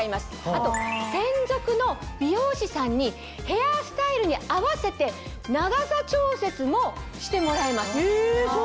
あと専属の美容師さんにヘアスタイルに合わせて長さ調節もしてもらえます。